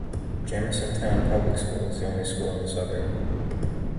Jamisontown Public School is the only school in the suburb.